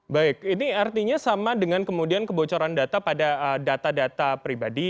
baik ini artinya sama dengan kemudian kebocoran data pada data data pribadi